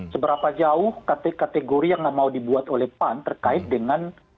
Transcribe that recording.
seberapa jauh kategori yang mau dibuat oleh pan terkait dengan